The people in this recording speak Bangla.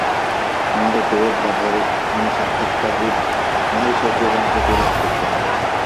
আমাদের প্রবোধ বা ধর্মসাক্ষাৎকার-রূপ মহৈশ্বর্যবান পুত্রলাভ করতে হবে।